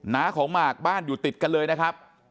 ้าของหมากบ้านอยู่ติดกันเลยนะครับ